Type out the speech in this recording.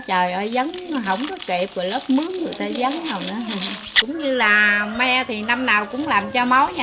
cũng như là me thì năm nào cũng làm cho máu nha